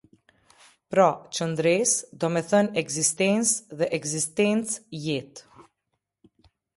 Pra, qëndresë domethënë ekzistensë dhe ekzistencë — jetë.